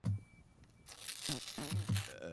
Depth perception arises from a variety of depth cues.